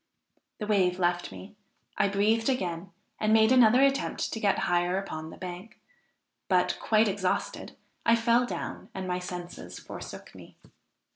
The wave left me; I breathed again, and made another attempt to get higher upon the bank, but, quite exhausted, I fell down and my senses forsook me.